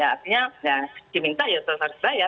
artinya ya diminta ya terserah serah ya